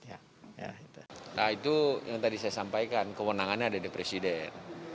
nah itu yang tadi saya sampaikan kewenangannya ada di presiden